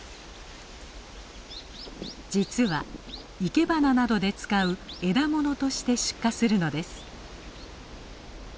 実は生け花などで使う「枝もの」として出荷するのです。